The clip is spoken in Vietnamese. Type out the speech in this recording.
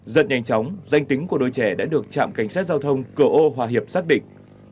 rất nhanh chóng danh tính của đội trẻ đã được trạm cảnh sát giao thông cửa ô hòa hiệp xác định